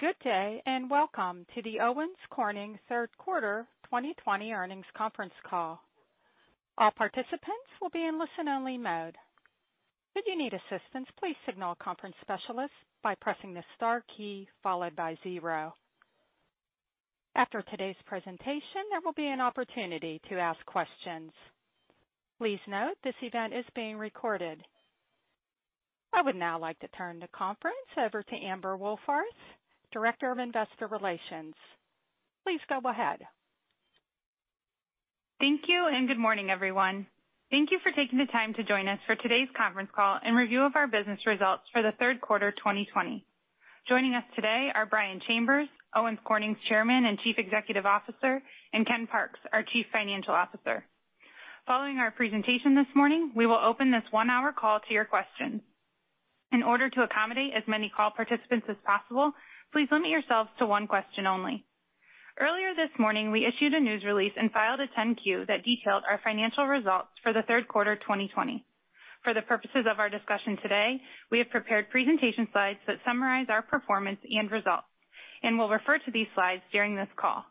Good day and welcome to the Owens Corning Third Quarter 2020 Earnings Conference Call. All participants will be in listen-only mode. Should you need assistance, please signal a conference specialist by pressing the star key followed by zero. After today's presentation, there will be an opportunity to ask questions. Please note this event is being recorded. I would now like to turn the conference over to Amber Wohlfarth, Director of Investor Relations. Please go ahead. Thank you and good morning, everyone. Thank you for taking the time to join us for today's conference call and review of our business results for the Third Quarter 2020. Joining us today are Brian Chambers, Owens Corning's Chairman and Chief Executive Officer, and Ken Parks, our Chief Financial Officer. Following our presentation this morning, we will open this one-hour call to your questions. In order to accommodate as many call participants as possible, please limit yourselves to one question only. Earlier this morning, we issued a news release and filed a 10-Q that detailed our financial results for the Third Quarter 2020. For the purposes of our discussion today, we have prepared presentation slides that summarize our performance and results, and we'll refer to these slides during this call.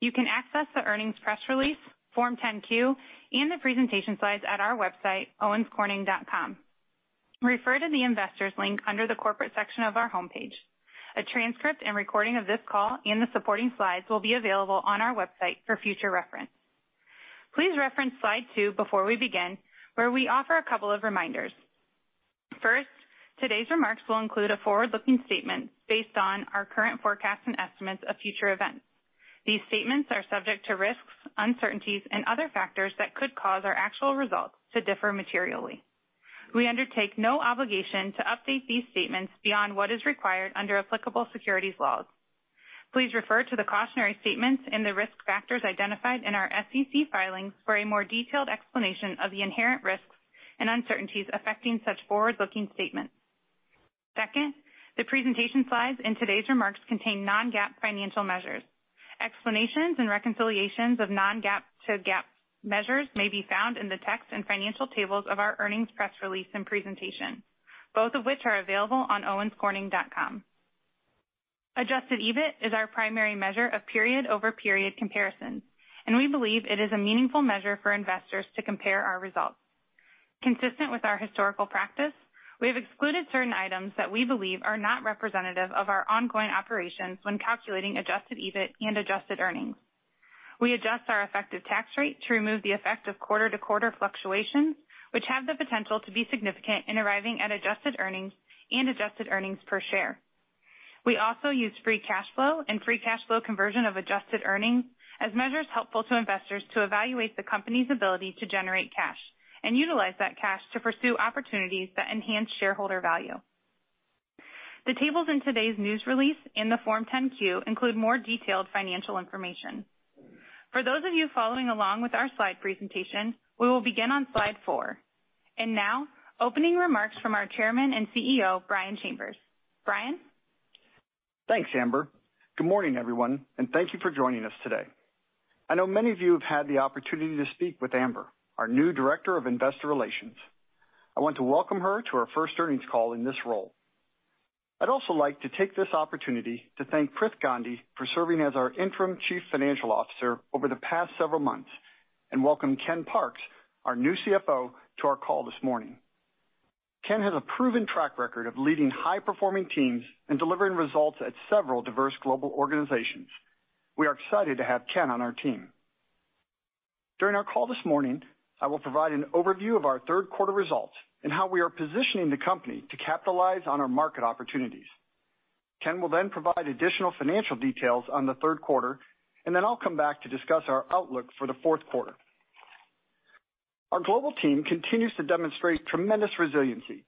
You can access the earnings press release, Form 10-Q, and the presentation slides at our website, owenscorning.com. Refer to the investors' link under the corporate section of our homepage. A transcript and recording of this call and the supporting slides will be available on our website for future reference. Please reference slide two before we begin, where we offer a couple of reminders. First, today's remarks will include a forward-looking statement based on our current forecasts and estimates of future events. These statements are subject to risks, uncertainties, and other factors that could cause our actual results to differ materially. We undertake no obligation to update these statements beyond what is required under applicable securities laws. Please refer to the cautionary statements and the risk factors identified in our SEC filings for a more detailed explanation of the inherent risks and uncertainties affecting such forward-looking statements. Second, the presentation slides and today's remarks contain non-GAAP financial measures. Explanations and reconciliations of non-GAAP to GAAP measures may be found in the text and financial tables of our earnings press release and presentation, both of which are available on owenscorning.com. Adjusted EBIT is our primary measure of period-over-period comparisons, and we believe it is a meaningful measure for investors to compare our results. Consistent with our historical practice, we have excluded certain items that we believe are not representative of our ongoing operations when calculating adjusted EBIT and adjusted earnings. We adjust our effective tax rate to remove the effect of quarter-to-quarter fluctuations, which have the potential to be significant in arriving at adjusted earnings and adjusted earnings per share. We also use free cash flow and free cash flow conversion of adjusted earnings as measures helpful to investors to evaluate the company's ability to generate cash and utilize that cash to pursue opportunities that enhance shareholder value. The tables in today's news release and the Form 10-Q include more detailed financial information. For those of you following along with our slide presentation, we will begin on slide four. And now, opening remarks from our Chairman and CEO, Brian Chambers. Brian? Thanks, Amber. Good morning, everyone, and thank you for joining us today. I know many of you have had the opportunity to speak with Amber, our new Director of Investor Relations. I want to welcome her to our first earnings call in this role. I'd also like to take this opportunity to thank Prith Gandhi for serving as our Interim Chief Financial Officer over the past several months, and welcome Ken Parks, our new CFO, to our call this morning. Ken has a proven track record of leading high-performing teams and delivering results at several diverse global organizations. We are excited to have Ken on our team. During our call this morning, I will provide an overview of our third quarter results and how we are positioning the company to capitalize on our market opportunities. Ken will then provide additional financial details on the third quarter, and then I'll come back to discuss our outlook for the fourth quarter. Our global team continues to demonstrate tremendous resiliency,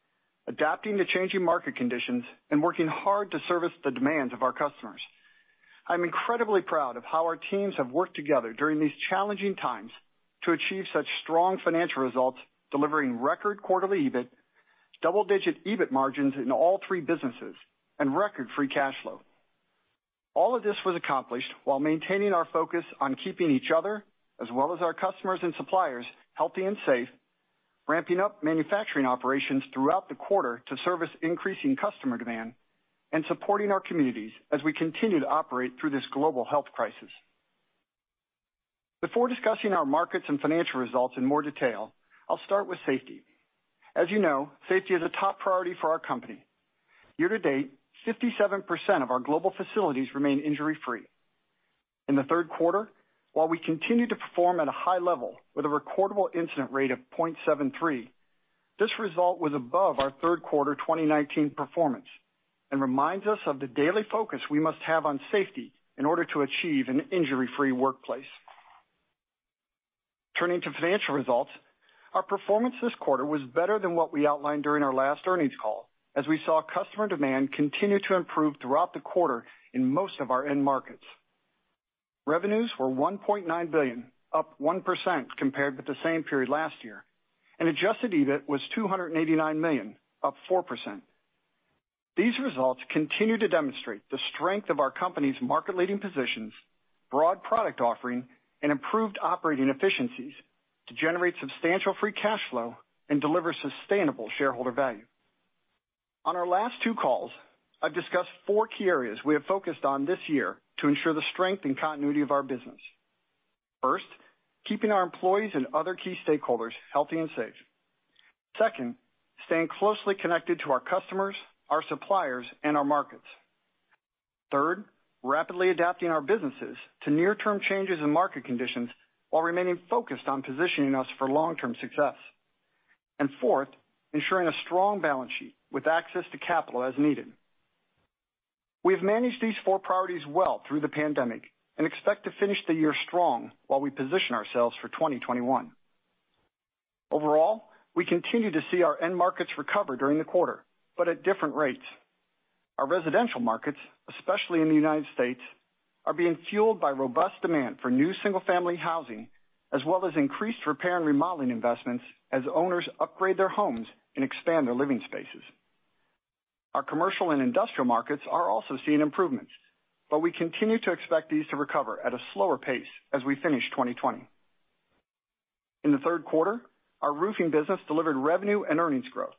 adapting to changing market conditions and working hard to service the demands of our customers. I'm incredibly proud of how our teams have worked together during these challenging times to achieve such strong financial results, delivering record quarterly EBIT, double-digit EBIT margins in all three businesses, and record free cash flow. All of this was accomplished while maintaining our focus on keeping each other, as well as our customers and suppliers, healthy and safe, ramping up manufacturing operations throughout the quarter to service increasing customer demand, and supporting our communities as we continue to operate through this global health crisis. Before discussing our markets and financial results in more detail, I'll start with safety. As you know, safety is a top priority for our company. Year to date, 57% of our global facilities remain injury-free. In the third quarter, while we continue to perform at a high level with a recordable incident rate of 0.73, this result was above our third quarter 2019 performance and reminds us of the daily focus we must have on safety in order to achieve an injury-free workplace. Turning to financial results, our performance this quarter was better than what we outlined during our last earnings call, as we saw customer demand continue to improve throughout the quarter in most of our end markets. Revenues were $1.9 billion, up 1% compared with the same period last year, and adjusted EBIT was $289 million, up 4%. These results continue to demonstrate the strength of our company's market-leading positions, broad product offering, and improved operating efficiencies to generate substantial free cash flow and deliver sustainable shareholder value. On our last two calls, I've discussed four key areas we have focused on this year to ensure the strength and continuity of our business. First, keeping our employees and other key stakeholders healthy and safe. Second, staying closely connected to our customers, our suppliers, and our markets. Third, rapidly adapting our businesses to near-term changes in market conditions while remaining focused on positioning us for long-term success. And fourth, ensuring a strong balance sheet with access to capital as needed. We have managed these four priorities well through the pandemic and expect to finish the year strong while we position ourselves for 2021. Overall, we continue to see our end markets recover during the quarter, but at different rates. Our residential markets, especially in the United States, are being fueled by robust demand for new single-family housing, as well as increased repair and remodeling investments as owners upgrade their homes and expand their living spaces. Our commercial and industrial markets are also seeing improvements, but we continue to expect these to recover at a slower pace as we finish 2020. In the third quarter, our roofing business delivered revenue and earnings growth.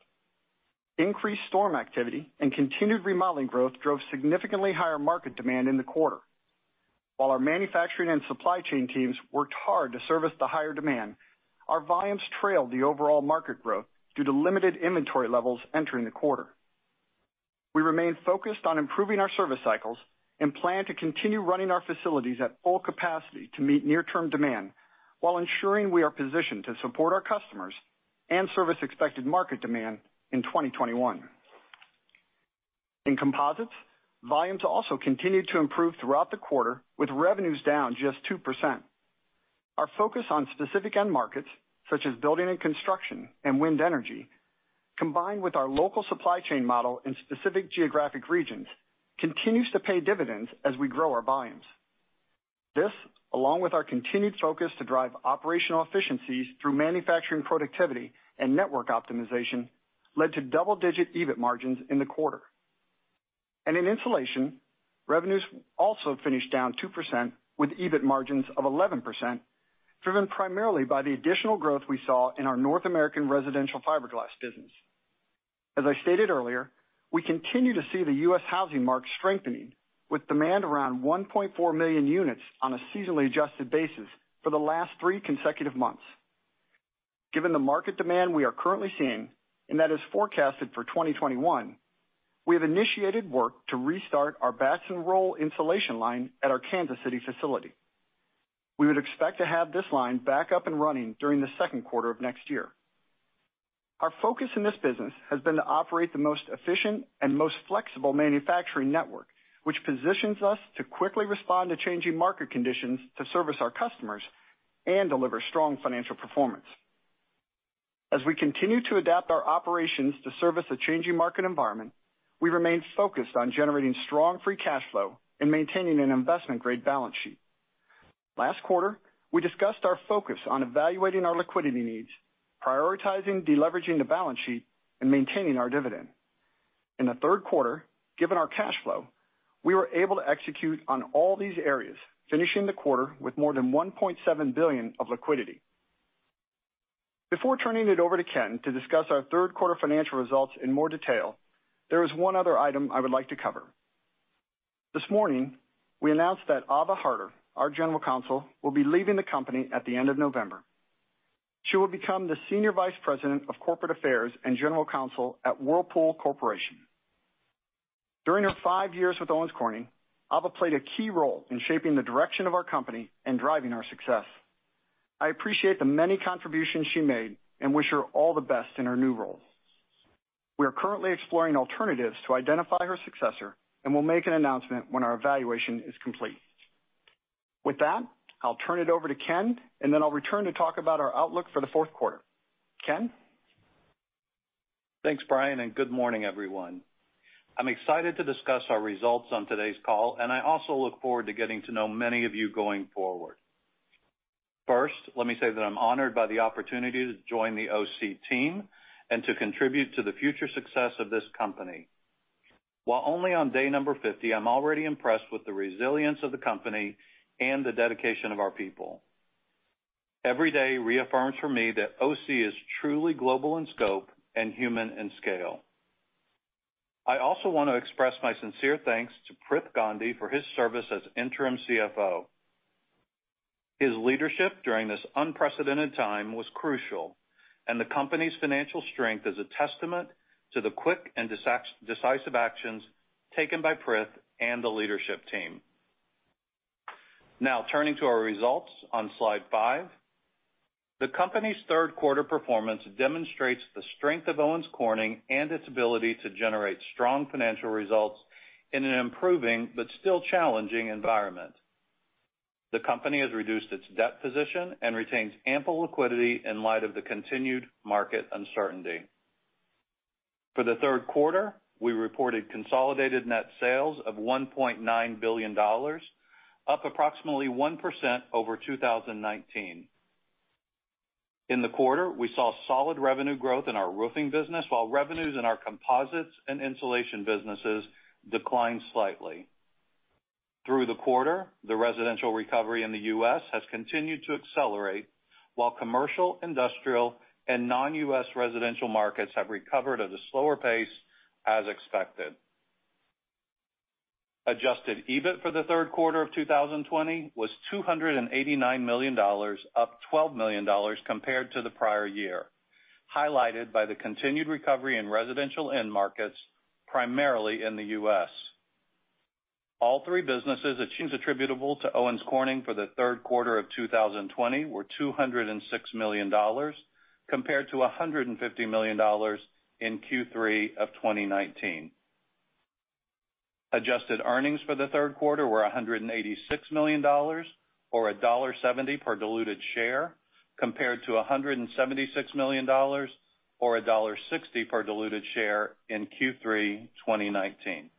Increased storm activity and continued remodeling growth drove significantly higher market demand in the quarter. While our manufacturing and supply chain teams worked hard to service the higher demand, our volumes trailed the overall market growth due to limited inventory levels entering the quarter. We remain focused on improving our service cycles and plan to continue running our facilities at full capacity to meet near-term demand while ensuring we are positioned to support our customers and service expected market demand in 2021. In composites, volumes also continued to improve throughout the quarter, with revenues down just 2%. Our focus on specific end markets, such as building and construction and wind energy, combined with our local supply chain model in specific geographic regions, continues to pay dividends as we grow our volumes. This, along with our continued focus to drive operational efficiencies through manufacturing productivity and network optimization, led to double-digit EBIT margins in the quarter. And in insulation, revenues also finished down 2% with EBIT margins of 11%, driven primarily by the additional growth we saw in our North American Residential fiberglass business. As I stated earlier, we continue to see the U.S. housing market strengthening, with demand around 1.4 million units on a seasonally adjusted basis for the last three consecutive months. Given the market demand we are currently seeing, and that is forecasted for 2021, we have initiated work to restart our batts and rolls insulation line at our Kansas City facility. We would expect to have this line back up and running during the second quarter of next year. Our focus in this business has been to operate the most efficient and most flexible manufacturing network, which positions us to quickly respond to changing market conditions to service our customers and deliver strong financial performance. As we continue to adapt our operations to service a changing market environment, we remain focused on generating strong free cash flow and maintaining an investment-grade balance sheet. Last quarter, we discussed our focus on evaluating our liquidity needs, prioritizing deleveraging the balance sheet, and maintaining our dividend. In the third quarter, given our cash flow, we were able to execute on all these areas, finishing the quarter with more than $1.7 billion of liquidity. Before turning it over to Ken to discuss our third quarter financial results in more detail, there is one other item I would like to cover. This morning, we announced that Ava Harter, our General Counsel, will be leaving the company at the end of November. She will become the Senior Vice President of Corporate Affairs and General Counsel at Whirlpool Corporation. During her five years with Owens Corning, Ava played a key role in shaping the direction of our company and driving our success. I appreciate the many contributions she made and wish her all the best in her new role. We are currently exploring alternatives to identify her successor and will make an announcement when our evaluation is complete. With that, I'll turn it over to Ken, and then I'll return to talk about our outlook for the fourth quarter. Ken? Thanks, Brian, and good morning, everyone. I'm excited to discuss our results on today's call, and I also look forward to getting to know many of you going forward. First, let me say that I'm honored by the opportunity to join the OC team and to contribute to the future success of this company. While only on day number 50, I'm already impressed with the resilience of the company and the dedication of our people. Every day reaffirms for me that OC is truly global in scope and human in scale. I also want to express my sincere thanks to Prithvi Gandhi for his service as Interim CFO. His leadership during this unprecedented time was crucial, and the company's financial strength is a testament to the quick and decisive actions taken by Prith and the leadership team. Now, turning to our results on slide five, the company's third quarter performance demonstrates the strength of Owens Corning and its ability to generate strong financial results in an improving but still challenging environment. The company has reduced its debt position and retains ample liquidity in light of the continued market uncertainty. For the third quarter, we reported consolidated net sales of $1.9 billion, up approximately 1% over 2019. In the quarter, we saw solid revenue growth in our roofing business, while revenues in our composites and insulation businesses declined slightly. Through the quarter, the residential recovery in the U.S. has continued to accelerate, while commercial, industrial, and non-U.S. residential markets have recovered at a slower pace, as expected. Adjusted EBIT for the third quarter of 2020 was $289 million, up $12 million compared to the prior year, highlighted by the continued recovery in residential end markets, primarily in the U.S. All three businesses attributable to Owens Corning for the third quarter of 2020 were $206 million, compared to $150 million in Q3 of 2019. Adjusted earnings for the third quarter were $186 million, or $1.70 per diluted share, compared to $176 million, or $1.60 per diluted share in Q3 2019.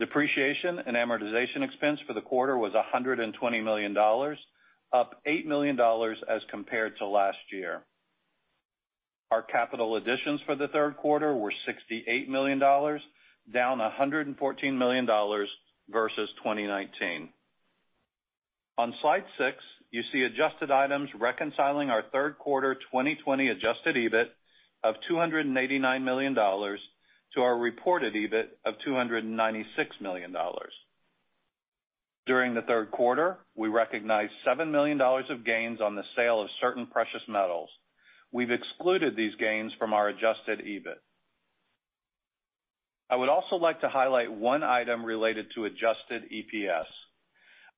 Depreciation and amortization expense for the quarter was $120 million, up $8 million as compared to last year. Our capital additions for the third quarter were $68 million, down $114 million versus 2019. On slide six, you see adjusted items reconciling our third quarter 2020 adjusted EBIT of $289 million to our reported EBIT of $296 million. During the third quarter, we recognized $7 million of gains on the sale of certain precious metals. We've excluded these gains from our adjusted EBIT. I would also like to highlight one item related to adjusted EPS.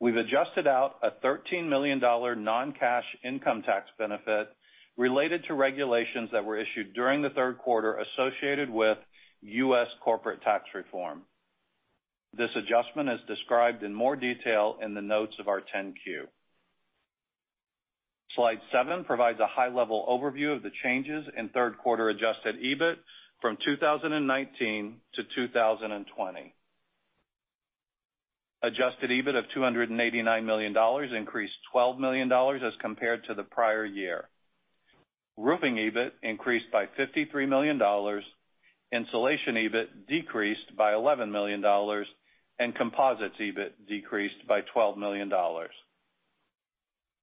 We've adjusted out a $13 million non-cash income tax benefit related to regulations that were issued during the third quarter associated with U.S. corporate tax reform. This adjustment is described in more detail in the notes of our 10-Q. Slide seven provides a high-level overview of the changes in third quarter adjusted EBIT from 2019 to 2020. Adjusted EBIT of $289 million increased $12 million as compared to the prior year. Roofing EBIT increased by $53 million, insulation EBIT decreased by $11 million, and composites EBIT decreased by $12 million.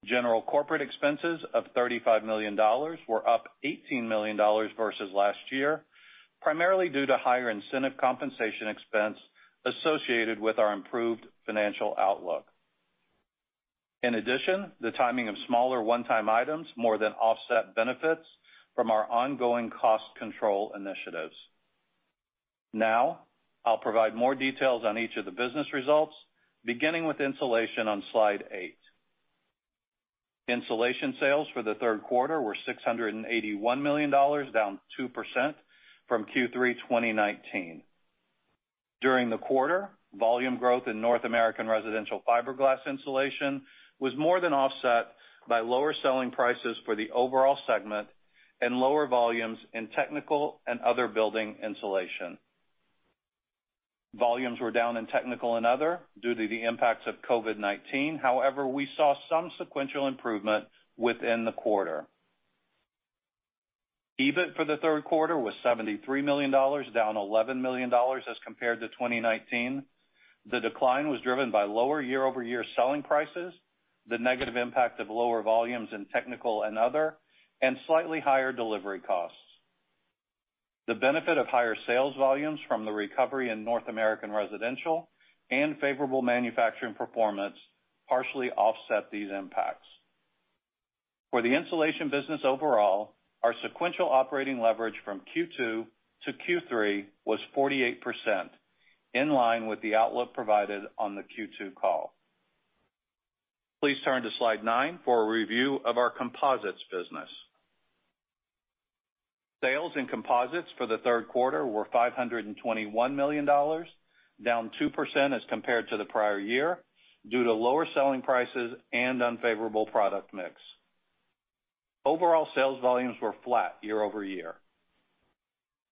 General corporate expenses of $35 million were up $18 million versus last year, primarily due to higher incentive compensation expense associated with our improved financial outlook. In addition, the timing of smaller one-time items more than offset benefits from our ongoing cost control initiatives. Now, I'll provide more details on each of the business results, beginning with insulation on slide eight. Insulation sales for the third quarter were $681 million, down 2% from Q3 2019. During the quarter, volume growth in North American Residential fiberglass insulation was more than offset by lower selling prices for the overall segment and lower volumes in Technical and Other building insulation. Volumes were down in Technical and Other due to the impacts of COVID-19. However, we saw some sequential improvement within the quarter. EBIT for the third quarter was $73 million, down $11 million as compared to 2019. The decline was driven by lower year-over-year selling prices, the negative impact of lower volumes in Technical and Other, and slightly higher delivery costs. The benefit of higher sales volumes from the recovery in North American Residential and favorable manufacturing performance partially offset these impacts. For the insulation business overall, our sequential operating leverage from Q2 to Q3 was 48%, in line with the outlook provided on the Q2 call. Please turn to slide nine for a review of our composites business. Sales in composites for the third quarter were $521 million, down 2% as compared to the prior year due to lower selling prices and unfavorable product mix. Overall, sales volumes were flat year-over-year.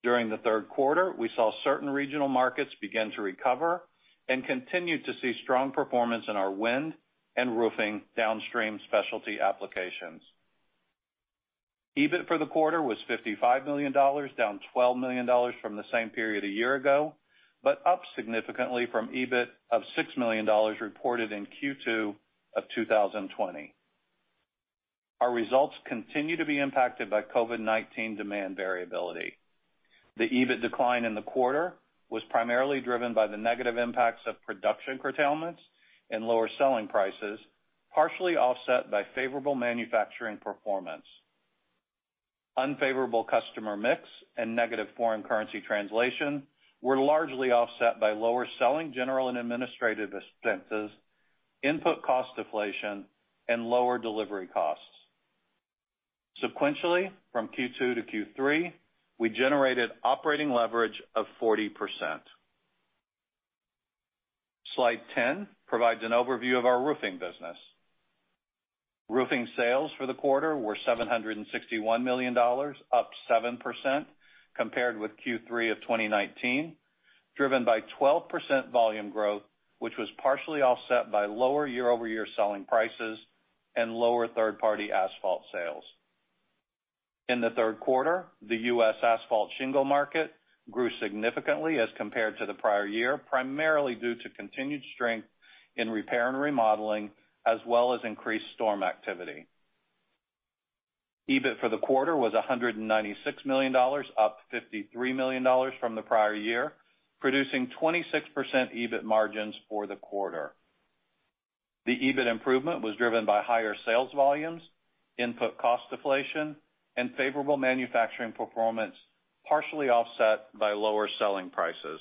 During the third quarter, we saw certain regional markets begin to recover and continue to see strong performance in our wind and roofing downstream specialty applications. EBIT for the quarter was $55 million, down $12 million from the same period a year ago, but up significantly from EBIT of $6 million reported in Q2 of 2020. Our results continue to be impacted by COVID-19 demand variability. The EBIT decline in the quarter was primarily driven by the negative impacts of production curtailments and lower selling prices, partially offset by favorable manufacturing performance. Unfavorable customer mix and negative foreign currency translation were largely offset by lower selling general and administrative expenses, input cost deflation, and lower delivery costs. Sequentially, from Q2 to Q3, we generated operating leverage of 40%. Slide 10 provides an overview of our roofing business. Roofing sales for the quarter were $761 million, up 7% compared with Q3 of 2019, driven by 12% volume growth, which was partially offset by lower year-over-year selling prices and lower third-party asphalt sales. In the third quarter, the U.S. asphalt shingle market grew significantly as compared to the prior year, primarily due to continued strength in repair and remodeling, as well as increased storm activity. EBIT for the quarter was $196 million, up $53 million from the prior year, producing 26% EBIT margins for the quarter. The EBIT improvement was driven by higher sales volumes, input cost deflation, and favorable manufacturing performance, partially offset by lower selling prices.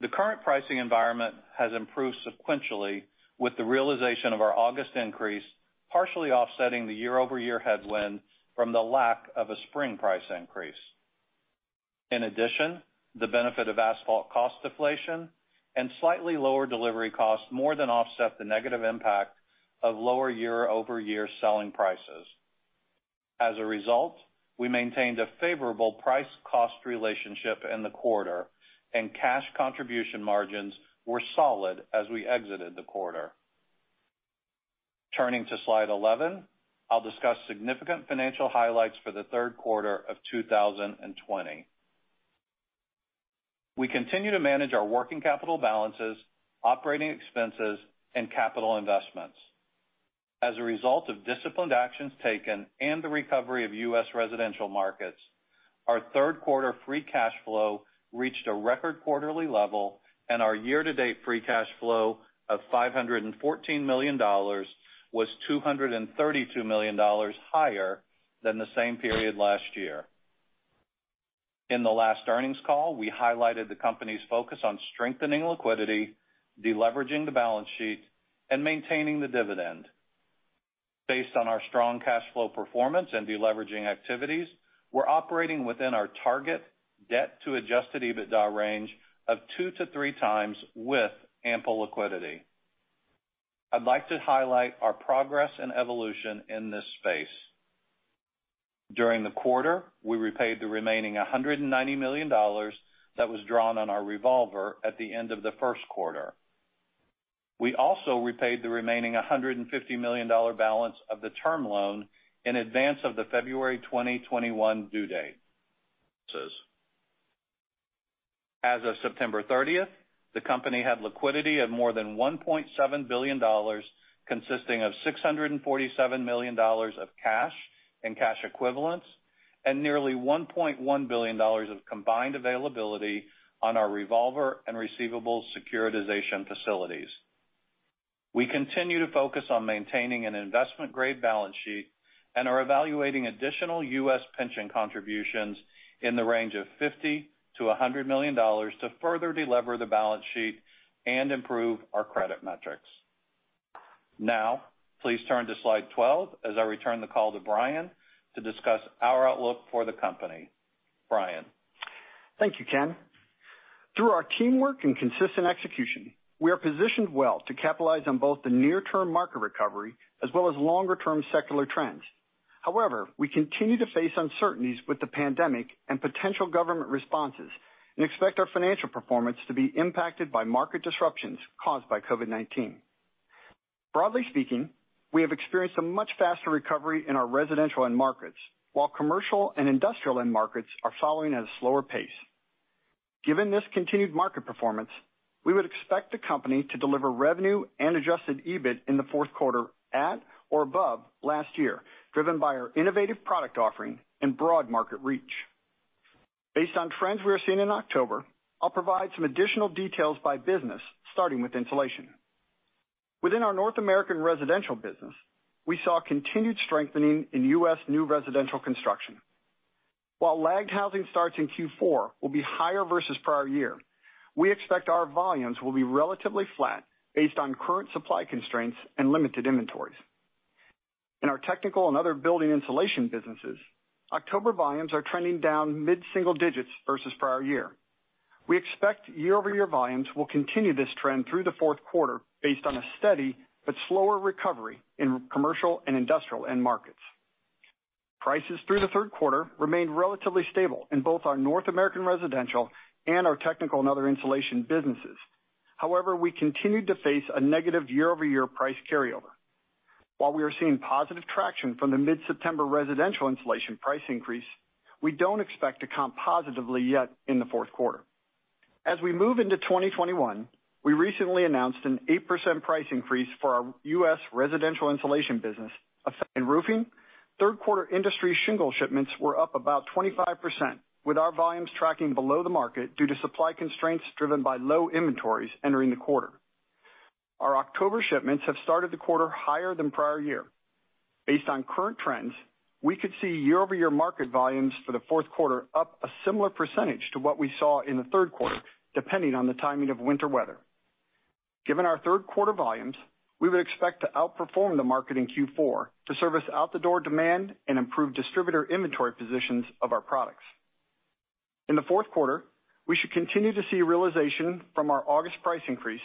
The current pricing environment has improved sequentially with the realization of our August increase, partially offsetting the year-over-year headwind from the lack of a spring price increase. In addition, the benefit of asphalt cost deflation and slightly lower delivery costs more than offset the negative impact of lower year-over-year selling prices. As a result, we maintained a favorable price-cost relationship in the quarter, and cash contribution margins were solid as we exited the quarter. Turning to slide 11, I'll discuss significant financial highlights for the third quarter of 2020. We continue to manage our working capital balances, operating expenses, and capital investments. As a result of disciplined actions taken and the recovery of U.S. residential markets, our third quarter free cash flow reached a record quarterly level, and our year-to-date free cash flow of $514 million was $232 million higher than the same period last year. In the last earnings call, we highlighted the company's focus on strengthening liquidity, deleveraging the balance sheet, and maintaining the dividend. Based on our strong cash flow performance and deleveraging activities, we're operating within our target debt-to-adjusted EBITDA range of two to three times with ample liquidity. I'd like to highlight our progress and evolution in this space. During the quarter, we repaid the remaining $190 million that was drawn on our revolver at the end of the first quarter. We also repaid the remaining $150 million balance of the term loan in advance of the February 2021 due date. As of September 30th, the company had liquidity of more than $1.7 billion, consisting of $647 million of cash and cash equivalents, and nearly $1.1 billion of combined availability on our revolver and receivables securitization facilities. We continue to focus on maintaining an investment-grade balance sheet and are evaluating additional U.S. pension contributions in the range of $50-$100 million to further deliver the balance sheet and improve our credit metrics. Now, please turn to slide 12 as I return the call to Brian to discuss our outlook for the company. Brian. Thank you, Ken. Through our teamwork and consistent execution, we are positioned well to capitalize on both the near-term market recovery as well as longer-term secular trends. However, we continue to face uncertainties with the pandemic and potential government responses and expect our financial performance to be impacted by market disruptions caused by COVID-19. Broadly speaking, we have experienced a much faster recovery in our residential end markets, while commercial and industrial end markets are following at a slower pace. Given this continued market performance, we would expect the company to deliver revenue and Adjusted EBIT in the fourth quarter at or above last year, driven by our innovative product offering and broad market reach. Based on trends we are seeing in October, I'll provide some additional details by business, starting with insulation. Within our North American Residential business, we saw continued strengthening in U.S. new residential construction. While lagged housing starts in Q4 will be higher versus prior year, we expect our volumes will be relatively flat based on current supply constraints and limited inventories. In our Technical and Other building insulation businesses, October volumes are trending down mid-single digits versus prior year. We expect year-over-year volumes will continue this trend through the fourth quarter based on a steady but slower recovery in commercial and industrial end markets. Prices through the third quarter remained relatively stable in both our North American Residential and our Technical and Other insulation businesses. However, we continued to face a negative year-over-year price carryover. While we are seeing positive traction from the mid-September residential insulation price increase, we don't expect to comp positively yet in the fourth quarter. As we move into 2021, we recently announced an 8% price increase for our U.S. residential insulation business. In roofing, third-quarter industry shingle shipments were up about 25%, with our volumes tracking below the market due to supply constraints driven by low inventories entering the quarter. Our October shipments have started the quarter higher than prior year. Based on current trends, we could see year-over-year market volumes for the fourth quarter up a similar percentage to what we saw in the third quarter, depending on the timing of winter weather. Given our third-quarter volumes, we would expect to outperform the market in Q4 to service out-the-door demand and improve distributor inventory positions of our products. In the fourth quarter, we should continue to see realization from our August price increase,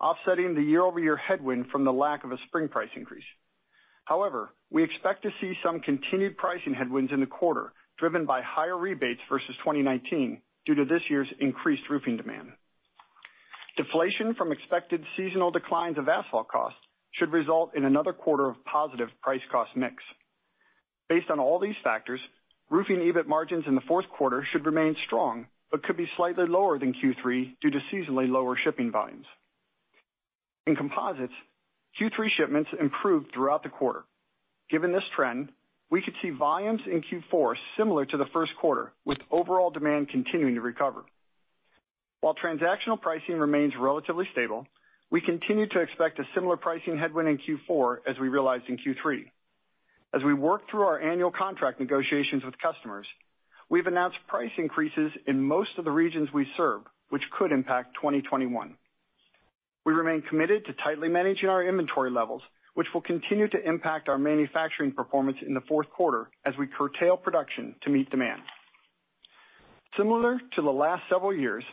offsetting the year-over-year headwind from the lack of a spring price increase. However, we expect to see some continued pricing headwinds in the quarter, driven by higher rebates versus 2019 due to this year's increased roofing demand. Deflation from expected seasonal declines of asphalt costs should result in another quarter of positive price-cost mix. Based on all these factors, roofing EBIT margins in the fourth quarter should remain strong but could be slightly lower than Q3 due to seasonally lower shipping volumes. In composites, Q3 shipments improved throughout the quarter. Given this trend, we could see volumes in Q4 similar to the first quarter, with overall demand continuing to recover. While transactional pricing remains relatively stable, we continue to expect a similar pricing headwind in Q4 as we realized in Q3. As we work through our annual contract negotiations with customers, we've announced price increases in most of the regions we serve, which could impact 2021. We remain committed to tightly managing our inventory levels, which will continue to impact our manufacturing performance in the fourth quarter as we curtail production to meet demand. Similar to the last several years,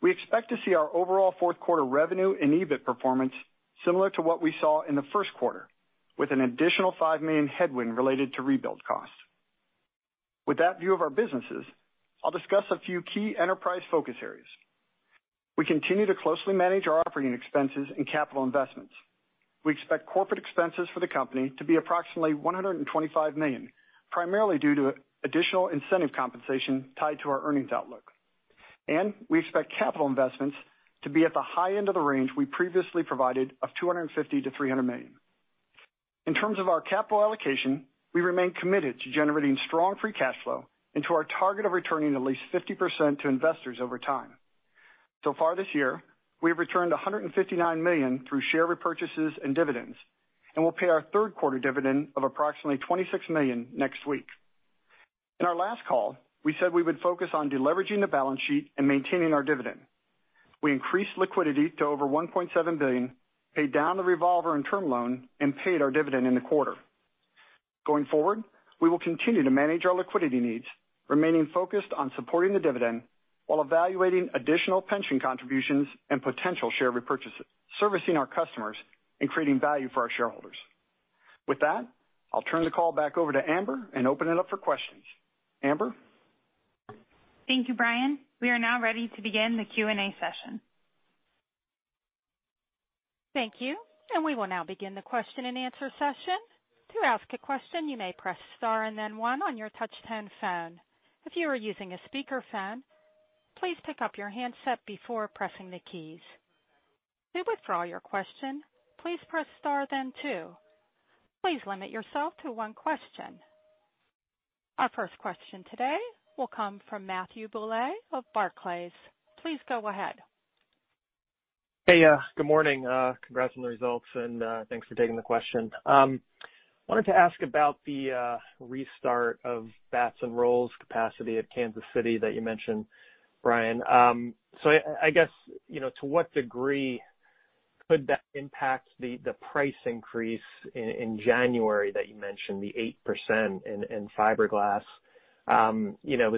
we expect to see our overall fourth-quarter revenue and EBIT performance similar to what we saw in the first quarter, with an additional $5 million headwind related to rebuild costs. With that view of our businesses, I'll discuss a few key enterprise focus areas. We continue to closely manage our operating expenses and capital investments. We expect corporate expenses for the company to be approximately $125 million, primarily due to additional incentive compensation tied to our earnings outlook, and we expect capital investments to be at the high end of the range we previously provided of $250 million-$300 million. In terms of our capital allocation, we remain committed to generating strong free cash flow and to our target of returning at least 50% to investors over time. So far this year, we have returned $159 million through share repurchases and dividends, and we'll pay our third-quarter dividend of approximately $26 million next week. In our last call, we said we would focus on deleveraging the balance sheet and maintaining our dividend. We increased liquidity to over $1.7 billion, paid down the revolver and term loan, and paid our dividend in the quarter. Going forward, we will continue to manage our liquidity needs, remaining focused on supporting the dividend while evaluating additional pension contributions and potential share repurchases, servicing our customers and creating value for our shareholders. With that, I'll turn the call back over to Amber and open it up for questions. Amber. Thank you, Brian. We are now ready to begin the Q&A session. Thank you, and we will now begin the question-and-answer session. To ask a question, you may press star and then one on your Touch-Tone phone. If you are using a speakerphone, please pick up your handset before pressing the keys. To withdraw your question, please press star then two. Please limit yourself to one question. Our first question today will come from Matthew Bouley of Barclays. Please go ahead. Hey, good morning. Congrats on the results, and thanks for taking the question. I wanted to ask about the restart of batts and rolls capacity at Kansas City that you mentioned, Brian. So I guess, to what degree could that impact the price increase in January that you mentioned, the 8% in fiberglass?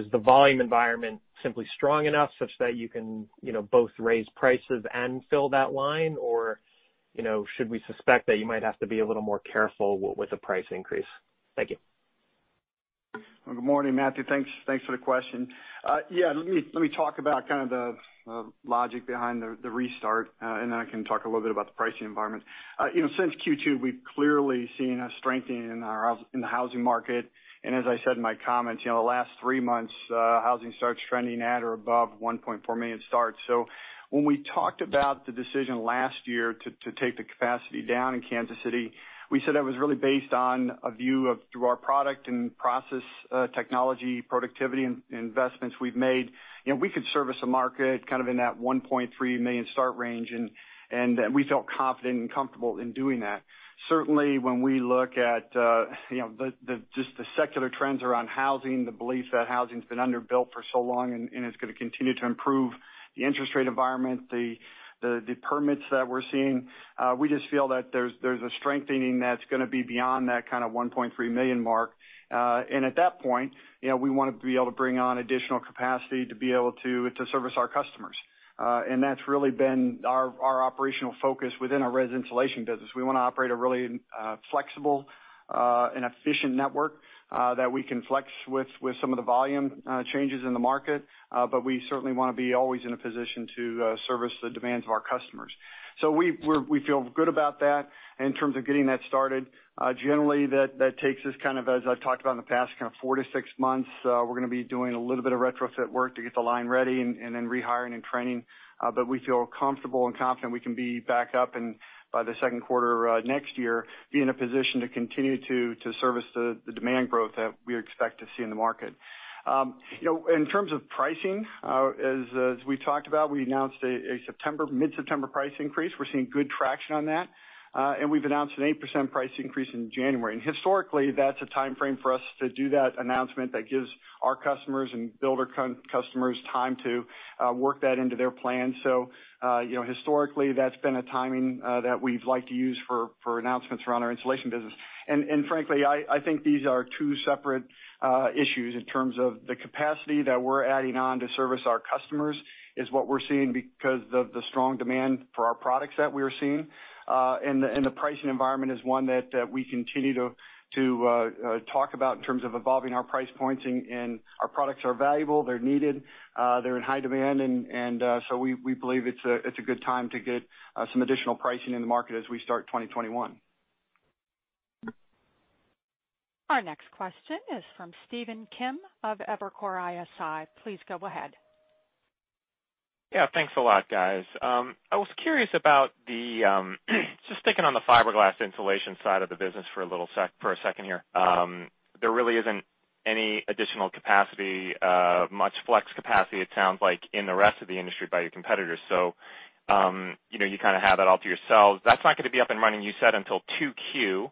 Is the volume environment simply strong enough such that you can both raise prices and fill that line, or should we suspect that you might have to be a little more careful with a price increase? Thank you. Good morning, Matthew. Thanks for the question. Yeah, let me talk about kind of the logic behind the restart, and then I can talk a little bit about the pricing environment. Since Q2, we've clearly seen a strengthening in the housing market. And as I said in my comments, the last three months, housing starts trending at or above $1.4 million starts. So when we talked about the decision last year to take the capacity down in Kansas City, we said it was really based on a view of our product and process technology, productivity, and investments we've made. We could service a market kind of in that $1.3 million start range, and we felt confident and comfortable in doing that. Certainly, when we look at just the secular trends around housing, the belief that housing has been underbuilt for so long and is going to continue to improve the interest rate environment, the permits that we're seeing, we just feel that there's a strengthening that's going to be beyond that kind of $1.3 million mark, and at that point, we want to be able to bring on additional capacity to be able to service our customers, and that's really been our operational focus within our residential insulation business. We want to operate a really flexible and efficient network that we can flex with some of the volume changes in the market, but we certainly want to be always in a position to service the demands of our customers, so we feel good about that in terms of getting that started. Generally, that takes us kind of, as I've talked about in the past, kind of four to six months. We're going to be doing a little bit of retrofit work to get the line ready and then rehiring and training. But we feel comfortable and confident we can be back up by the second quarter next year, be in a position to continue to service the demand growth that we expect to see in the market. In terms of pricing, as we talked about, we announced a mid-September price increase. We're seeing good traction on that. And we've announced an 8% price increase in January. And historically, that's a timeframe for us to do that announcement that gives our customers and builder customers time to work that into their plans. So historically, that's been a timing that we've liked to use for announcements around our insulation business. And frankly, I think these are two separate issues in terms of the capacity that we're adding on to service our customers is what we're seeing because of the strong demand for our products that we are seeing. And the pricing environment is one that we continue to talk about in terms of evolving our price points. And our products are valuable. They're needed. They're in high demand. And so we believe it's a good time to get some additional pricing in the market as we start 2021. Our next question is from Stephen Kim of Evercore ISI. Please go ahead. Yeah, thanks a lot, guys. I was curious about the, just sticking on the fiberglass insulation side of the business for a little second here. There really isn't any additional capacity, much flex capacity, it sounds like, in the rest of the industry by your competitors. So you kind of have it all to yourselves. That's not going to be up and running, you said, until Q2.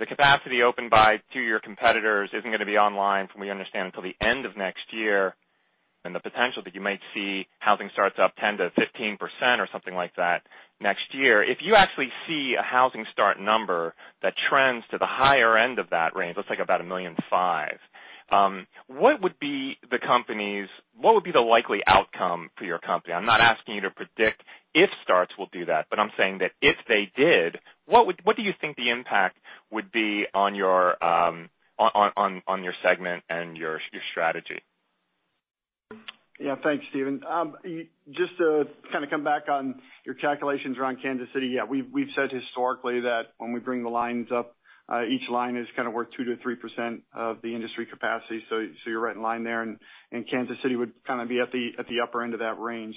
The capacity opened by two of your competitors isn't going to be online, from what we understand, until the end of next year. And the potential that you might see housing starts up 10%-15% or something like that next year. If you actually see a housing start number that trends to the higher end of that range, let's say about a million five, what would be the company's, what would be the likely outcome for your company? I'm not asking you to predict if starts will do that, but I'm saying that if they did, what do you think the impact would be on your segment and your strategy? Yeah, thanks, Stephen. Just to kind of come back on your calculations around Kansas City, yeah, we've said historically that when we bring the lines up, each line is kind of worth 2%-3% of the industry capacity. So you're right in line there. And Kansas City would kind of be at the upper end of that range.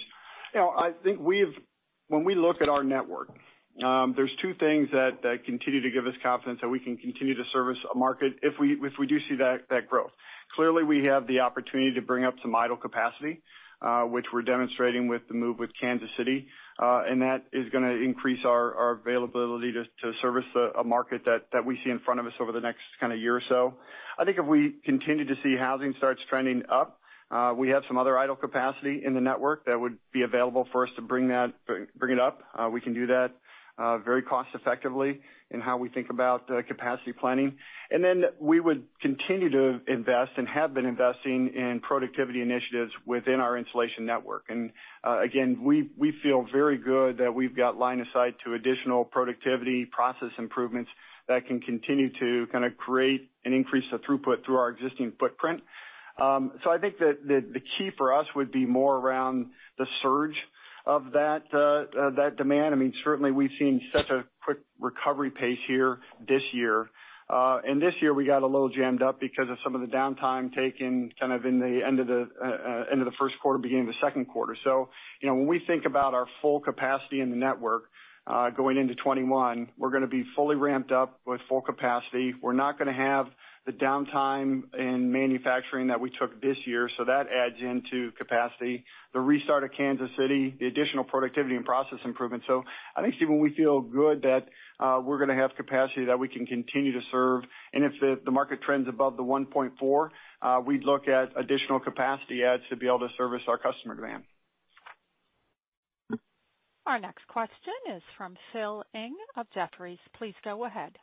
I think when we look at our network, there's two things that continue to give us confidence that we can continue to service a market if we do see that growth. Clearly, we have the opportunity to bring up some idle capacity, which we're demonstrating with the move with Kansas City. And that is going to increase our availability to service a market that we see in front of us over the next kind of year or so. I think if we continue to see housing starts trending up, we have some other idle capacity in the network that would be available for us to bring it up. We can do that very cost-effectively in how we think about capacity planning. And then we would continue to invest and have been investing in productivity initiatives within our insulation network. And again, we feel very good that we've got line of sight to additional productivity process improvements that can continue to kind of create an increase of throughput through our existing footprint. So I think that the key for us would be more around the surge of that demand. I mean, certainly, we've seen such a quick recovery pace here this year. And this year, we got a little jammed up because of some of the downtime taken kind of in the end of the first quarter, beginning of the second quarter. So when we think about our full capacity in the network going into 2021, we're going to be fully ramped up with full capacity. We're not going to have the downtime in manufacturing that we took this year. So that adds into capacity, the restart of Kansas City, the additional productivity and process improvements. So I think, Stephen, we feel good that we're going to have capacity that we can continue to serve. And if the market trends above the 1.4, we'd look at additional capacity adds to be able to service our customer demand. Our next question is from Phil Ng of Jefferies. Please go ahead.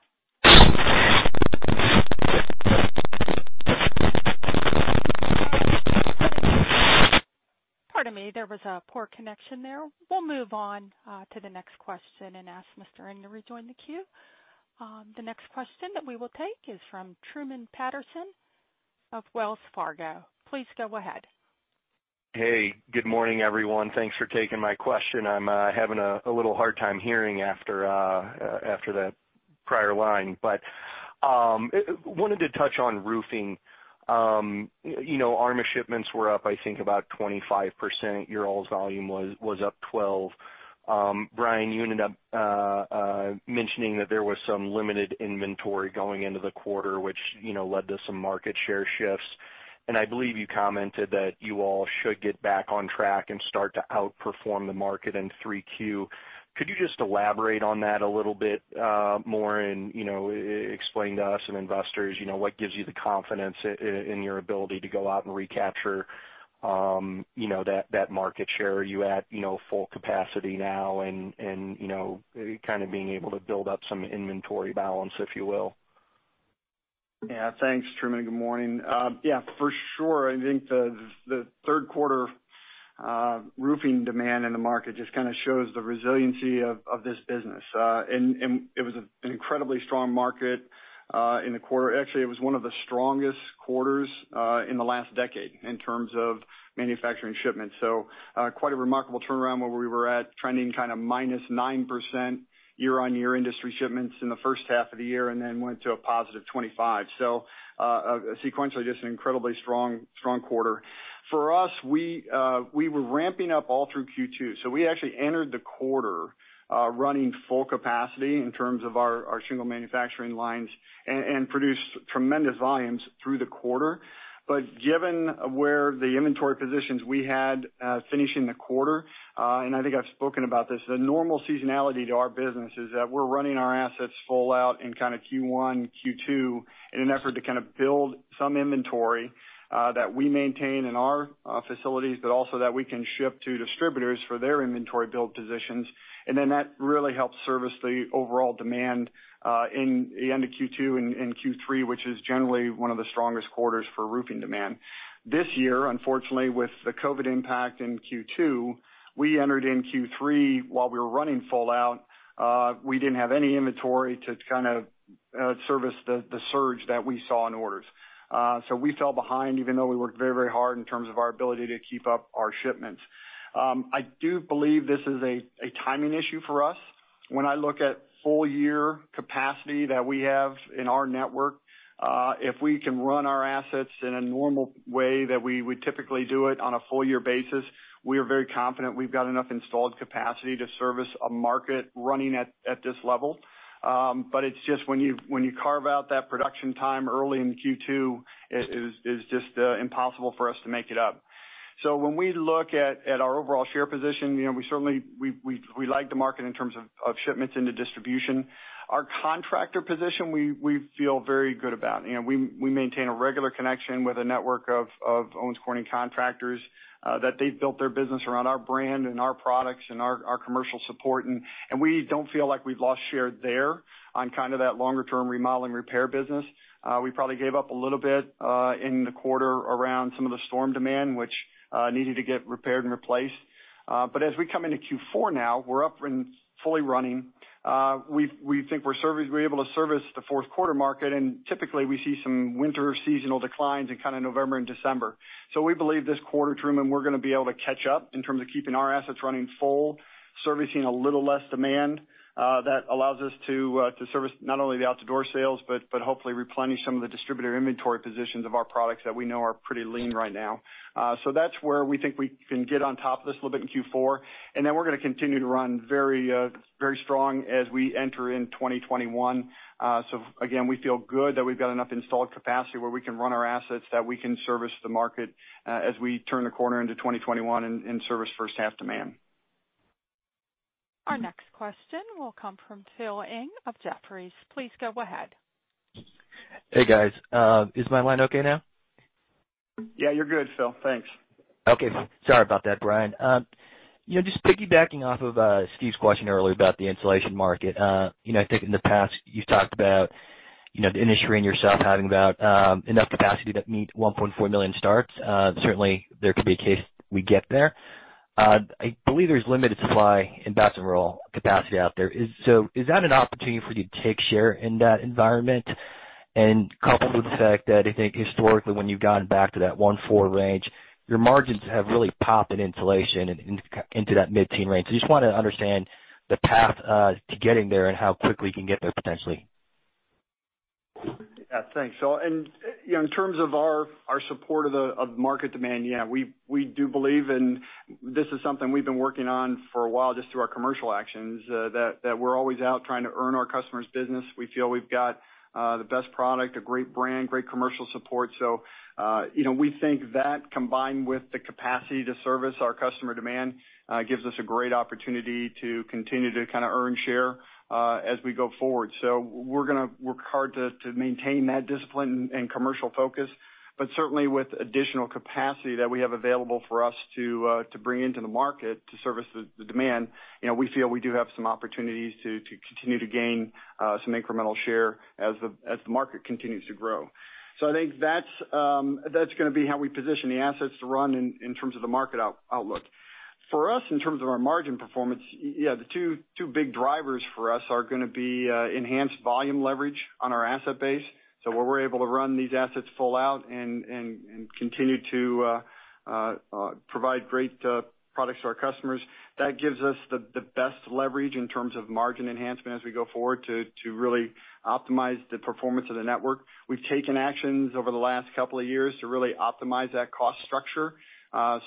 Pardon me, there was a poor connection there. We'll move on to the next question and ask Mr. Ng to rejoin the queue. The next question that we will take is from Truman Patterson of Wells Fargo. Please go ahead. Hey, good morning, everyone. Thanks for taking my question. I'm having a little hard time hearing after that prior line. But I wanted to touch on roofing. Asphalt shipments were up, I think, about 25%. Your all's volume was up 12%. Brian, you ended up mentioning that there was some limited inventory going into the quarter, which led to some market share shifts. And I believe you commented that you all should get back on track and start to outperform the market in Q3. Could you just elaborate on that a little bit more and explain to us and investors what gives you the confidence in your ability to go out and recapture that market share? Are you at full capacity now and kind of being able to build up some inventory balance, if you will? Yeah, thanks, Truman. Good morning. Yeah, for sure. I think the third quarter roofing demand in the market just kind of shows the resiliency of this business, and it was an incredibly strong market in the quarter. Actually, it was one of the strongest quarters in the last decade in terms of manufacturing shipments, so quite a remarkable turnaround where we were at trending kind of minus nine% year-on-year industry shipments in the first half of the year and then went to a positive 25%, so sequentially, just an incredibly strong quarter. For us, we were ramping up all through Q2, so we actually entered the quarter running full capacity in terms of our shingle manufacturing lines and produced tremendous volumes through the quarter. But given where the inventory positions we had finishing the quarter, and I think I've spoken about this, the normal seasonality to our business is that we're running our assets full out in kind of Q1, Q2 in an effort to kind of build some inventory that we maintain in our facilities, but also that we can ship to distributors for their inventory build positions, and then that really helps service the overall demand in the end of Q2 and Q3, which is generally one of the strongest quarters for roofing demand. This year, unfortunately, with the COVID impact in Q2, we entered in Q3 while we were running full out. We didn't have any inventory to kind of service the surge that we saw in orders, so we fell behind, even though we worked very, very hard in terms of our ability to keep up our shipments. I do believe this is a timing issue for us. When I look at full-year capacity that we have in our network, if we can run our assets in a normal way that we would typically do it on a full-year basis, we are very confident we've got enough installed capacity to service a market running at this level. But it's just when you carve out that production time early in Q2, it is just impossible for us to make it up. So when we look at our overall share position, we certainly like the market in terms of shipments into distribution. Our contractor position, we feel very good about. We maintain a regular connection with a network of Owens Corning contractors that they've built their business around our brand and our products and our commercial support. And we don't feel like we've lost share there on kind of that longer-term remodeling repair business. We probably gave up a little bit in the quarter around some of the storm demand, which needed to get repaired and replaced. But as we come into Q4 now, we're up and fully running. We think we're able to service the fourth quarter market. And typically, we see some winter seasonal declines in kind of November and December. So we believe this quarter, Truman, we're going to be able to catch up in terms of keeping our assets running full, servicing a little less demand that allows us to service not only the out-of-door sales, but hopefully replenish some of the distributor inventory positions of our products that we know are pretty lean right now. So that's where we think we can get on top of this a little bit in Q4. And then we're going to continue to run very strong as we enter in 2021. So again, we feel good that we've got enough installed capacity where we can run our assets, that we can service the market as we turn the corner into 2021 and service first-half demand. Our next question will come from Phil Ng of Jefferies. Please go ahead. Hey, guys. Is my line okay now? Yeah, you're good, Phil. Thanks. Okay. Sorry about that, Brian. Just piggybacking off of Steve's question earlier about the insulation market, I think in the past, you've talked about the industry and yourself having about enough capacity to meet 1.4 million starts. Certainly, there could be a case we get there. I believe there's limited supply in batts and rolls capacity out there. So is that an opportunity for you to take share in that environment? Coupled with the fact that I think historically, when you've gone back to that 1.4 range, your margins have really popped in insulation into that mid-teen range. I just want to understand the path to getting there and how quickly you can get there potentially. Yeah, thanks. So in terms of our support of market demand, yeah, we do believe this is something we've been working on for a while just through our commercial actions that we're always out trying to earn our customers' business. We feel we've got the best product, a great brand, great commercial support. We think that combined with the capacity to service our customer demand gives us a great opportunity to continue to kind of earn share as we go forward. We work hard to maintain that discipline and commercial focus. But certainly, with additional capacity that we have available for us to bring into the market to service the demand, we feel we do have some opportunities to continue to gain some incremental share as the market continues to grow. So I think that's going to be how we position the assets to run in terms of the market outlook. For us, in terms of our margin performance, yeah, the two big drivers for us are going to be enhanced volume leverage on our asset base. So where we're able to run these assets full out and continue to provide great products to our customers, that gives us the best leverage in terms of margin enhancement as we go forward to really optimize the performance of the network. We've taken actions over the last couple of years to really optimize that cost structure.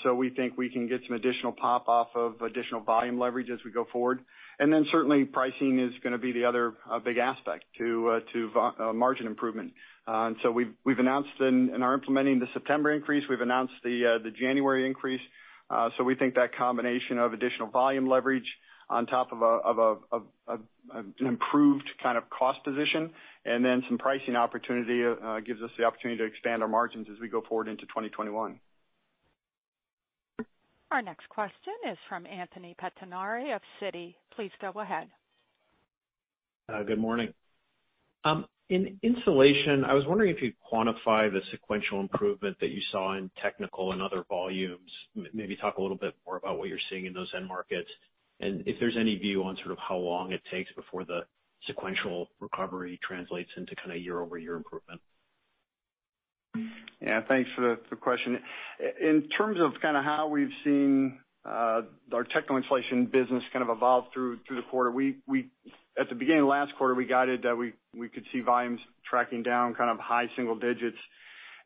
So we think we can get some additional pop-off of additional volume leverage as we go forward. And then certainly, pricing is going to be the other big aspect to margin improvement. And so we've announced and are implementing the September increase. We've announced the January increase. So we think that combination of additional volume leverage on top of an improved kind of cost position and then some pricing opportunity gives us the opportunity to expand our margins as we go forward into 2021. Our next question is from Anthony Pettinari of Citi. Please go ahead. Good morning. In insulation, I was wondering if you'd quantify the sequential improvement that you saw in Technical and Other volumes, maybe talk a little bit more about what you're seeing in those end markets, and if there's any view on sort of how long it takes before the sequential recovery translates into kind of year-over-year improvement? Yeah, thanks for the question. In terms of kind of how we've seen our Technical insulation business kind of evolve through the quarter, at the beginning of last quarter, we guided that we could see volumes tracking down kind of high single digits.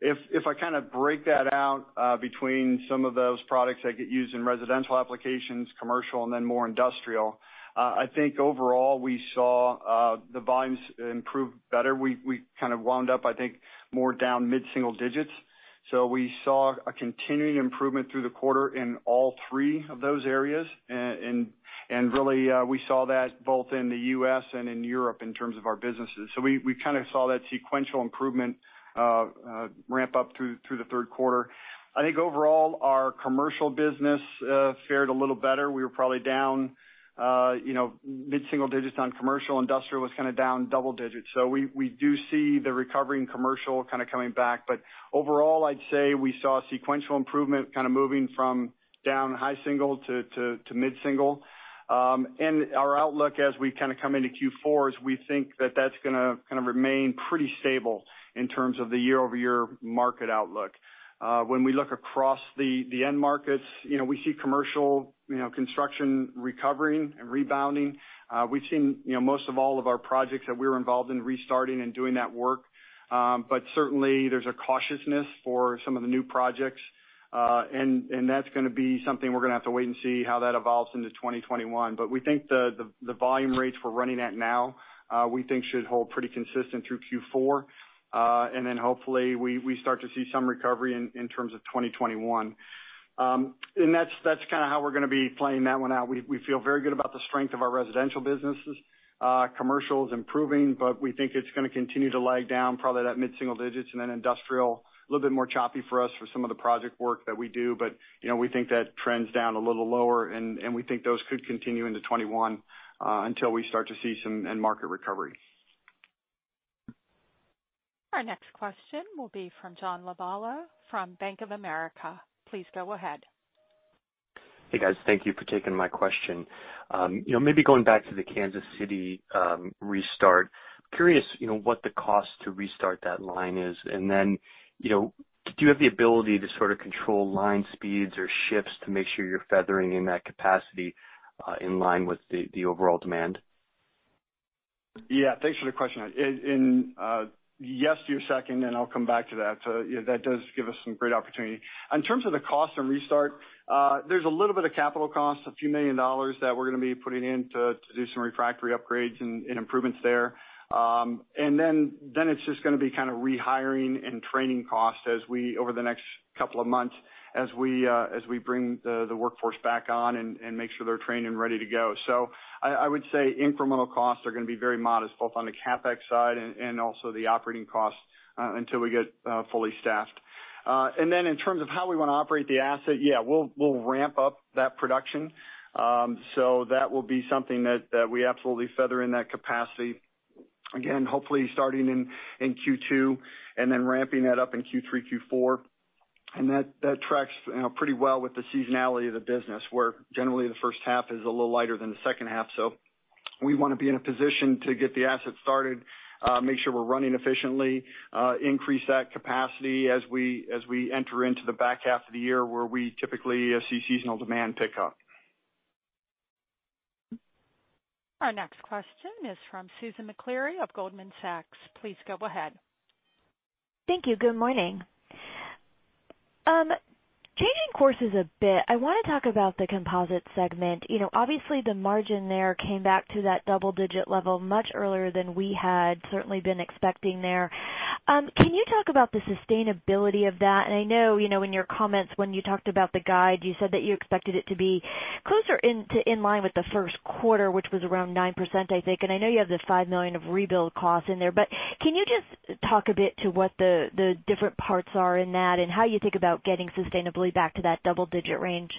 If I kind of break that out between some of those products that get used in residential applications, commercial, and then more industrial, I think overall, we saw the volumes improve better. We kind of wound up, I think, more down mid-single digits. So we saw a continuing improvement through the quarter in all three of those areas. And really, we saw that both in the U.S. and in Europe in terms of our businesses. So we kind of saw that sequential improvement ramp up through the third quarter. I think overall, our commercial business fared a little better. We were probably down mid-single digits on commercial. Industrial was kind of down double digits. So we do see the recovering commercial kind of coming back. But overall, I'd say we saw sequential improvement kind of moving from down high single to mid-single. And our outlook as we kind of come into Q4 is we think that that's going to kind of remain pretty stable in terms of the year-over-year market outlook. When we look across the end markets, we see commercial construction recovering and rebounding. We've seen most of all of our projects that we were involved in restarting and doing that work. But certainly, there's a cautiousness for some of the new projects. And that's going to be something we're going to have to wait and see how that evolves into 2021. But we think the volume rates we're running at now, we think should hold pretty consistent through Q4. And then hopefully, we start to see some recovery in terms of 2021. And that's kind of how we're going to be playing that one out. We feel very good about the strength of our residential businesses. Commercial is improving, but we think it's going to continue to lag down probably that mid-single digits. And then industrial, a little bit more choppy for us for some of the project work that we do. But we think that trends down a little lower. We think those could continue into 2021 until we start to see some end market recovery. Our next question will be from John Lovallo from Bank of America. Please go ahead. Hey, guys. Thank you for taking my question. Maybe going back to the Kansas City restart, curious what the cost to restart that line is. And then do you have the ability to sort of control line speeds or shifts to make sure you're feathering in that capacity in line with the overall demand? Yeah, thanks for the question. Yes, to your second, and I'll come back to that. That does give us some great opportunity. In terms of the cost and restart, there's a little bit of capital cost, a few million dollars that we're going to be putting in to do some refractory upgrades and improvements there. And then it's just going to be kind of rehiring and training costs over the next couple of months as we bring the workforce back on and make sure they're trained and ready to go. So I would say incremental costs are going to be very modest, both on the CapEx side and also the operating costs until we get fully staffed. And then in terms of how we want to operate the asset, yeah, we'll ramp up that production. So that will be something that we absolutely feather in that capacity. Again, hopefully starting in Q2 and then ramping that up in Q3, Q4. And that tracks pretty well with the seasonality of the business, where generally the first half is a little lighter than the second half. So we want to be in a position to get the asset started, make sure we're running efficiently, increase that capacity as we enter into the back half of the year where we typically see seasonal demand pick up. Our next question is from Susan Maklari of Goldman Sachs. Please go ahead. Thank you. Good morning. Changing courses a bit, I want to talk about the Composites segment. Obviously, the margin there came back to that double-digit level much earlier than we had certainly been expecting there. Can you talk about the sustainability of that? And I know in your comments, when you talked about the guide, you said that you expected it to be closer in line with the first quarter, which was around 9%, I think. And I know you have the $5 million of rebuild costs in there. But can you just talk a bit to what the different parts are in that and how you think about getting sustainably back to that double-digit range?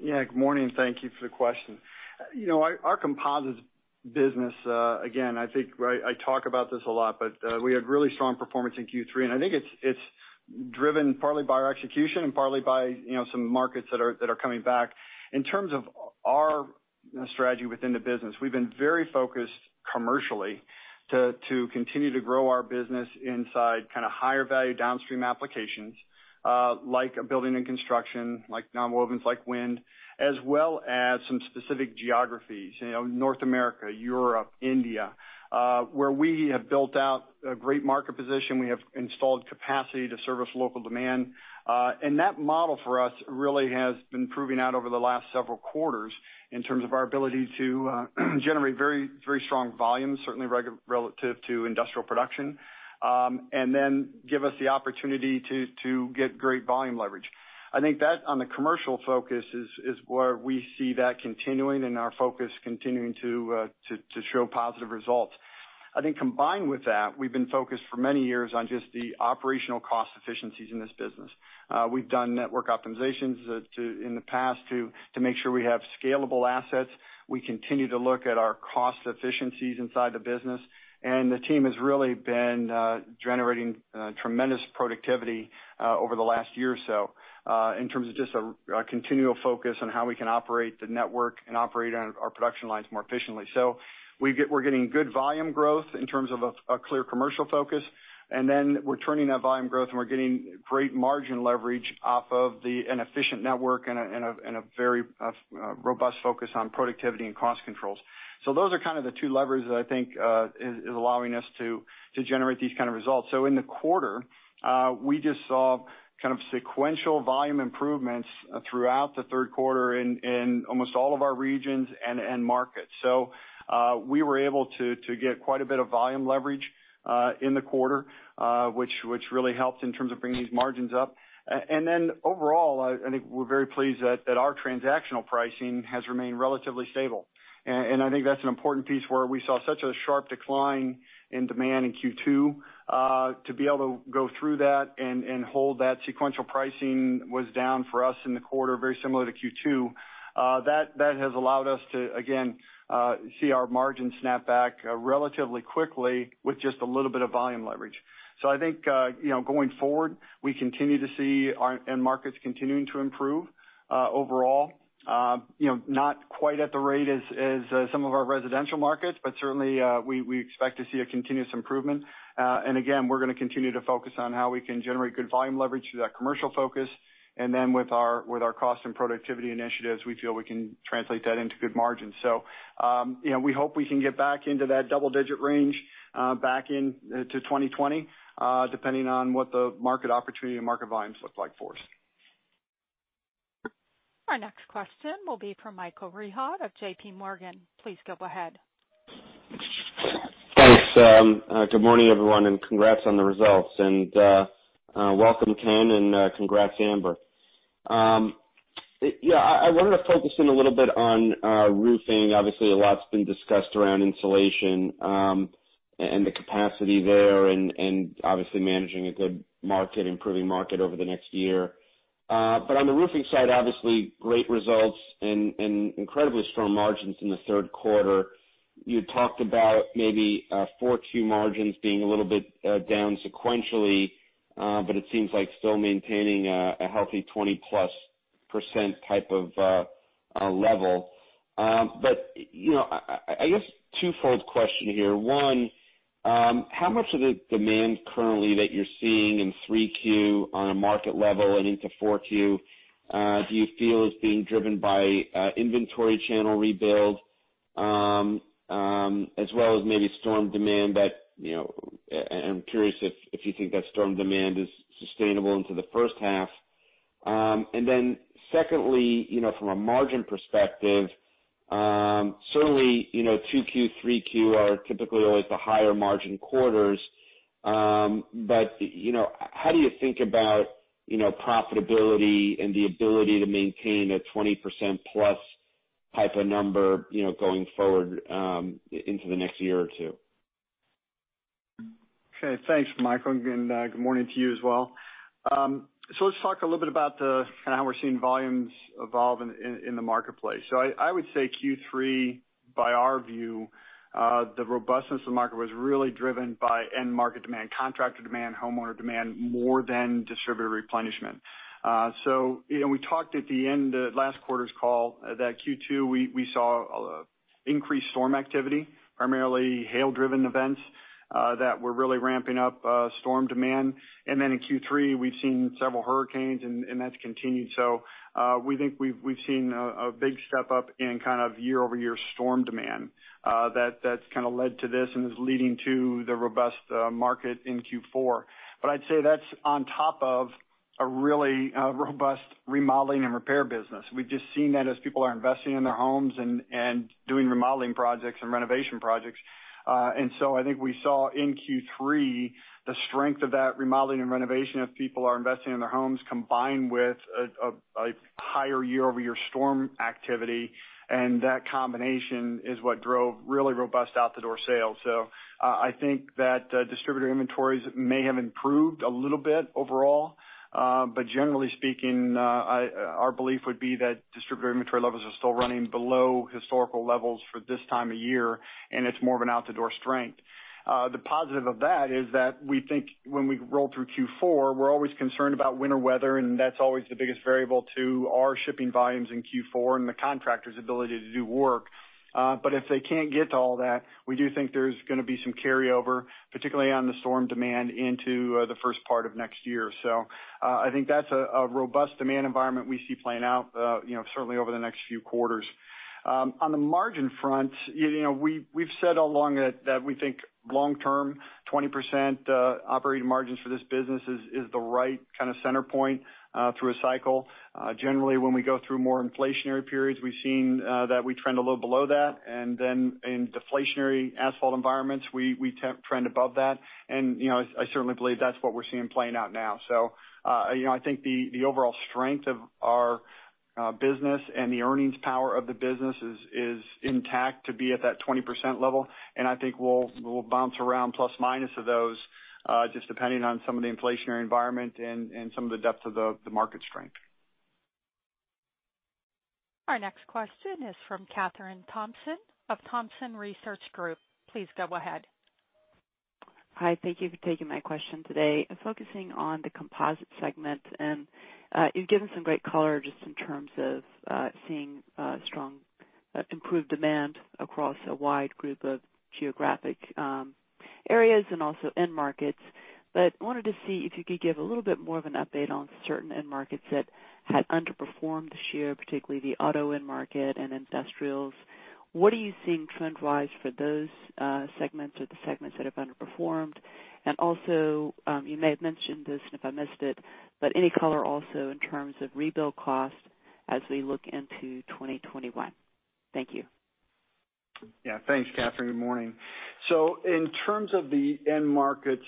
Yeah, good morning. Thank you for the question. Our Composites business, again, I think I talk about this a lot, but we had really strong performance in Q3. And I think it's driven partly by our execution and partly by some markets that are coming back. In terms of our strategy within the business, we've been very focused commercially to continue to grow our business inside kind of higher-value downstream applications like building and construction, like nonwovens, like wind, as well as some specific geographies, North America, Europe, India, where we have built out a great market position. We have installed capacity to service local demand. And that model for us really has been proving out over the last several quarters in terms of our ability to generate very strong volumes, certainly relative to industrial production, and then give us the opportunity to get great volume leverage. I think that on the commercial focus is where we see that continuing and our focus continuing to show positive results. I think combined with that, we've been focused for many years on just the operational cost efficiencies in this business. We've done network optimizations in the past to make sure we have scalable assets. We continue to look at our cost efficiencies inside the business. And the team has really been generating tremendous productivity over the last year or so in terms of just a continual focus on how we can operate the network and operate on our production lines more efficiently. So we're getting good volume growth in terms of a clear commercial focus. And then we're turning that volume growth and we're getting great margin leverage off of an efficient network and a very robust focus on productivity and cost controls. So those are kind of the two levers that I think are allowing us to generate these kind of results. So in the quarter, we just saw kind of sequential volume improvements throughout the third quarter in almost all of our regions and markets. So we were able to get quite a bit of volume leverage in the quarter, which really helped in terms of bringing these margins up. And then overall, I think we're very pleased that our transactional pricing has remained relatively stable. And I think that's an important piece where we saw such a sharp decline in demand in Q2. To be able to go through that and hold that sequential pricing was down for us in the quarter, very similar to Q2. That has allowed us to, again, see our margin snap back relatively quickly with just a little bit of volume leverage, so I think going forward, we continue to see our end markets continuing to improve overall, not quite at the rate as some of our residential markets, but certainly we expect to see a continuous improvement, and again, we're going to continue to focus on how we can generate good volume leverage through that commercial focus, and then with our cost and productivity initiatives, we feel we can translate that into good margins, so we hope we can get back into that double-digit range back into 2020, depending on what the market opportunity and market volumes look like for us. Our next question will be from Michael Rehaut of JPMorgan. Please go ahead. Thanks. Good morning, everyone, and congrats on the results. And welcome, Ken, and congrats, Amber. Yeah, I wanted to focus in a little bit on roofing. Obviously, a lot's been discussed around insulation and the capacity there and obviously managing a good market, improving market over the next year. But on the roofing side, obviously, great results and incredibly strong margins in the third quarter. You talked about maybe Q4 margins being a little bit down sequentially, but it seems like still maintaining a healthy 20-plus% type of level. But I guess twofold question here. One, how much of the demand currently that you're seeing in 3Q on a market level and into 4Q do you feel is being driven by inventory channel rebuild as well as maybe storm demand that I'm curious if you think that storm demand is sustainable into the first half? And then secondly, from a margin perspective, certainly 2Q, 3Q are typically always the higher margin quarters. But how do you think about profitability and the ability to maintain a 20%-plus type of number going forward into the next year or two? Okay. Thanks, Michael. And good morning to you as well. So let's talk a little bit about kind of how we're seeing volumes evolve in the marketplace. So I would say Q3, by our view, the robustness of the market was really driven by end market demand, contractor demand, homeowner demand, more than distributor replenishment. So we talked at the end of last quarter's call that Q2, we saw increased storm activity, primarily hail-driven events that were really ramping up storm demand. And then in Q3, we've seen several hurricanes, and that's continued. So we think we've seen a big step up in kind of year-over-year storm demand that's kind of led to this and is leading to the robust market in Q4. But I'd say that's on top of a really robust remodeling and repair business. We've just seen that as people are investing in their homes and doing remodeling projects and renovation projects. And so I think we saw in Q3 the strength of that remodeling and renovation as people are investing in their homes combined with a higher year-over-year storm activity. And that combination is what drove really robust out-the-door sales. So I think that distributor inventories may have improved a little bit overall. But generally speaking, our belief would be that distributor inventory levels are still running below historical levels for this time of year, and it's more of an out-the-door strength. The positive of that is that we think when we roll through Q4, we're always concerned about winter weather, and that's always the biggest variable to our shipping volumes in Q4 and the contractor's ability to do work. But if they can't get to all that, we do think there's going to be some carryover, particularly on the storm demand, into the first part of next year. So I think that's a robust demand environment we see playing out certainly over the next few quarters. On the margin front, we've said all along that we think long-term 20% operating margins for this business is the right kind of center point through a cycle. Generally, when we go through more inflationary periods, we've seen that we trend a little below that. And then in deflationary asphalt environments, we trend above that. And I certainly believe that's what we're seeing playing out now. So I think the overall strength of our business and the earnings power of the business is intact to be at that 20% level. And I think we'll bounce around plus minus of those just depending on some of the inflationary environment and some of the depth of the market strength. Our next question is from Kathryn Thompson of Thompson Research Group. Please go ahead. Hi. Thank you for taking my question today. I'm focusing on the Composites segment. And you've given some great color just in terms of seeing strong improved demand across a wide group of geographic areas and also end markets. But I wanted to see if you could give a little bit more of an update on certain end markets that had underperformed this year, particularly the auto end market and industrials. What are you seeing trend-wise for those segments or the segments that have underperformed? And also, you may have mentioned this, and if I missed it, but any color also in terms of rebuild cost as we look into 2021. Thank you. Yeah, thanks, Kathryn. Good morning. So in terms of the end markets,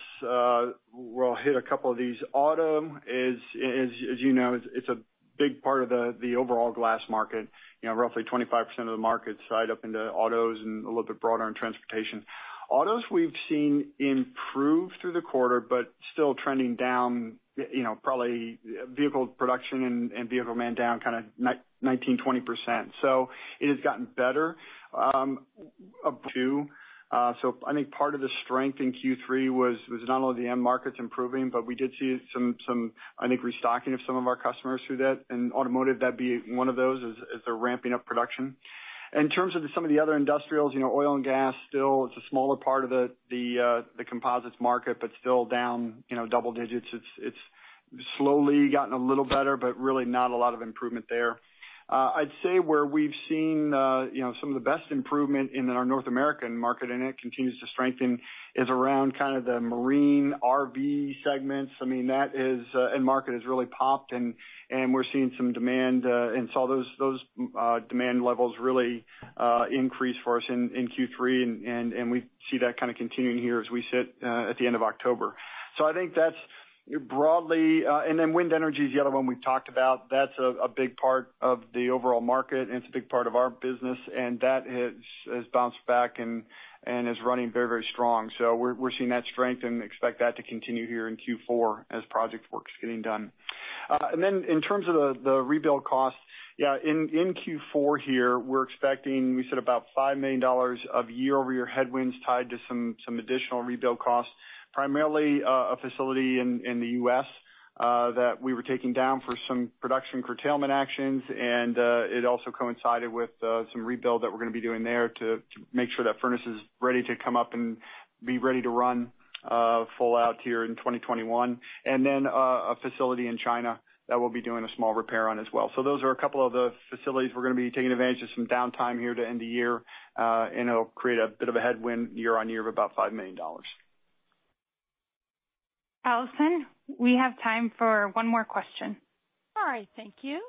we'll hit a couple of these. Auto, as you know, it's a big part of the overall glass market. Roughly 25% of the market's tied up into autos and a little bit broader in transportation. Autos, we've seen improve through the quarter, but still trending down, probably vehicle production and vehicle demand down kind of 19%-20%. So it has gotten better in Q2. So I think part of the strength in Q3 was not only the end markets improving, but we did see some, I think, restocking of some of our customers through that. And automotive, that'd be one of those as they're ramping up production. In terms of some of the other industrials, oil and gas, still, it's a smaller part of the composites market, but still down double digits. It's slowly gotten a little better, but really not a lot of improvement there. I'd say where we've seen some of the best improvement in our North American market, and it continues to strengthen, is around kind of the marine RV segments. I mean, that end market has really popped, and we're seeing some demand, and so those demand levels really increased for us in Q3, and we see that kind of continuing here as we sit at the end of October. So I think that's broadly, and then wind energy is the other one we've talked about. That's a big part of the overall market, and it's a big part of our business, and that has bounced back and is running very, very strong, so we're seeing that strength and expect that to continue here in Q4 as project work is getting done. And then, in terms of the rebuild cost, yeah, in Q4 here, we're expecting, we said, about $5 million of year-over-year headwinds tied to some additional rebuild costs, primarily a facility in the U.S. that we were taking down for some production curtailment actions. And it also coincided with some rebuild that we're going to be doing there to make sure that furnace is ready to come up and be ready to run full out here in 2021. And then a facility in China that we'll be doing a small repair on as well. So those are a couple of the facilities we're going to be taking advantage of some downtime here to end the year. And it'll create a bit of a headwind year on year of about $5 million. Allison, we have time for one more question. All right. Thank you.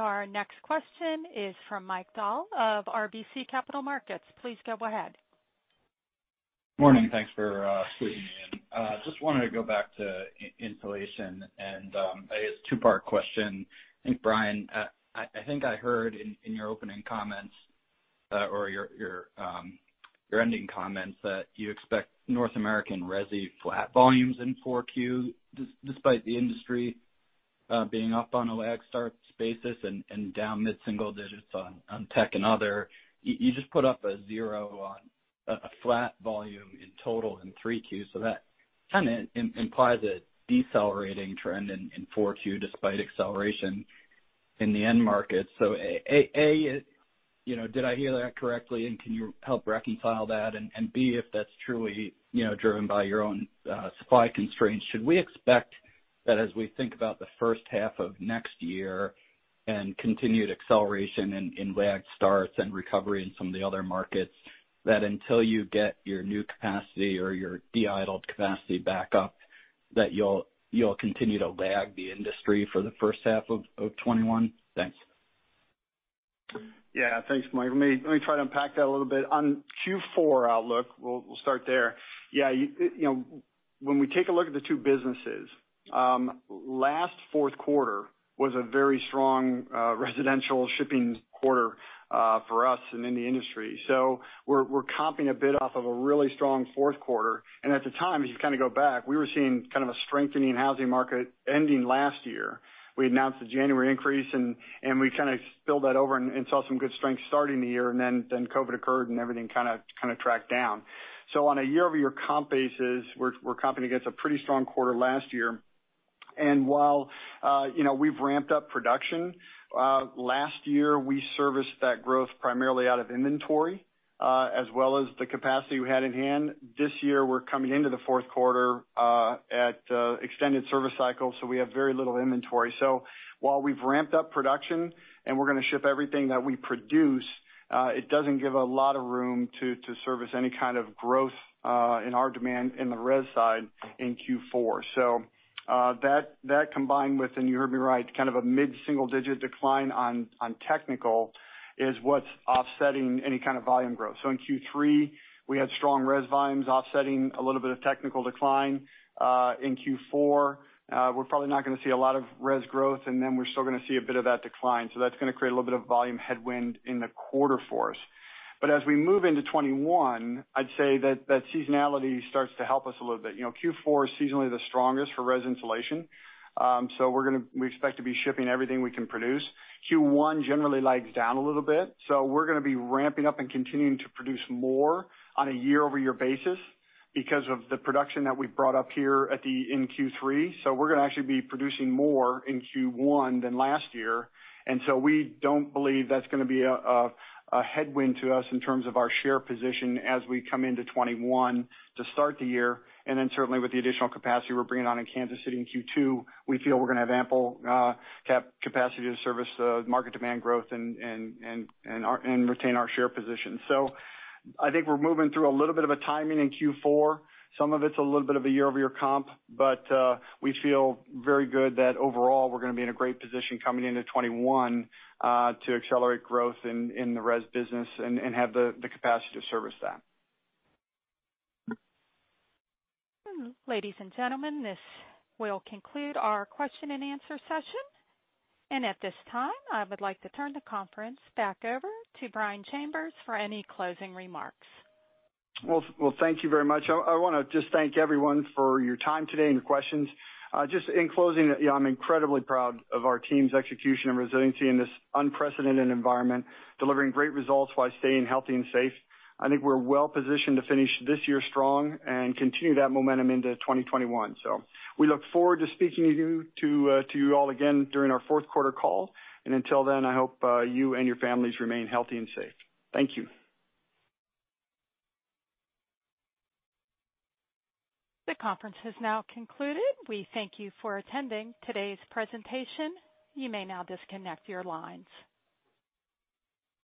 Our next question is from Mike Dahl of RBC Capital Markets. Please go ahead. Good morning. Thanks for swooping in. Just wanted to go back to insulation. It's a two-part question. I think, Brian, I think I heard in your opening comments or your ending comments that you expect North American Resi flat volumes in Q4, despite the industry being up on a lag start basis and down mid-single digits on Tech and Other. You just put up a zero on a flat volume in total in three Q. That kind of implies a decelerating trend in four Q despite acceleration in the end market. A, did I hear that correctly? And can you help reconcile that? B, if that's truly driven by your own supply constraints, should we expect that as we think about the first half of next year and continued acceleration in housing starts and recovery in some of the other markets, that until you get your new capacity or your de-idled capacity back up, that you'll continue to lag the industry for the first half of 2021? Thanks. Yeah. Thanks, Mike. Let me try to unpack that a little bit. On Q4 outlook, we'll start there. Yeah. When we take a look at the two businesses, last fourth quarter was a very strong residential shipping quarter for us and in the industry. So we're comping a bit off of a really strong fourth quarter. And at the time, if you kind of go back, we were seeing kind of a strengthening housing market ending last year. We announced the January increase, and we kind of spilled that over and saw some good strength starting the year. And then COVID occurred, and everything kind of tracked down. So on a year-over-year comp basis, we're comping against a pretty strong quarter last year. And while we've ramped up production last year, we serviced that growth primarily out of inventory as well as the capacity we had in hand. This year, we're coming into the fourth quarter at extended service cycle, so we have very little inventory. So while we've ramped up production and we're going to ship everything that we produce, it doesn't give a lot of room to service any kind of growth in our demand in the res side in Q4. So that combined with, and you heard me right, kind of a mid-single digit decline on technical is what's offsetting any kind of volume growth. So in Q3, we had strong res volumes offsetting a little bit of technical decline. In Q4, we're probably not going to see a lot of res growth, and then we're still going to see a bit of that decline. So that's going to create a little bit of volume headwind in the quarter for us. But as we move into 2021, I'd say that seasonality starts to help us a little bit. Q4 is seasonally the strongest for res insulation. So we expect to be shipping everything we can produce. Q1 generally lags down a little bit. So we're going to be ramping up and continuing to produce more on a year-over-year basis because of the production that we brought up here in Q3. So we're going to actually be producing more in Q1 than last year. And so we don't believe that's going to be a headwind to us in terms of our share position as we come into 2021 to start the year. And then certainly, with the additional capacity we're bringing on in Kansas City in Q2, we feel we're going to have ample capacity to service the market demand growth and retain our share position. So I think we're moving through a little bit of a timing in Q4. Some of it's a little bit of a year-over-year comp, but we feel very good that overall, we're going to be in a great position coming into 2021 to accelerate growth in the res business and have the capacity to service that. Ladies and gentlemen, this will conclude our question and answer session. And at this time, I would like to turn the conference back over to Brian Chambers for any closing remarks. Thank you very much. I want to just thank everyone for your time today and your questions. Just in closing, I'm incredibly proud of our team's execution and resiliency in this unprecedented environment, delivering great results while staying healthy and safe. I think we're well positioned to finish this year strong and continue that momentum into 2021. We look forward to speaking to you all again during our fourth quarter call. Until then, I hope you and your families remain healthy and safe. Thank you. The conference has now concluded. We thank you for attending today's presentation. You may now disconnect your lines.